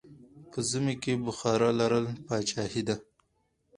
په ژمی کې بخارا لرل پادشاهي ده.